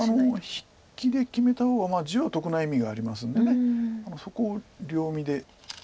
引きで決めた方が地は得な意味がありますんでそこを秒読みで。